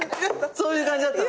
そういう感じだった。